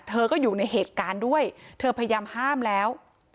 เธอก็อยู่ในเหตุการณ์ด้วยเธอพยายามห้ามแล้ว